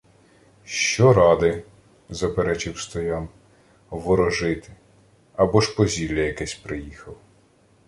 — Що ради! — заперечив Стоян. — Ворожити. Або ж по зілля якесь приїхав.